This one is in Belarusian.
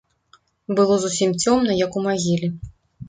Было зусім цёмна, як у магіле.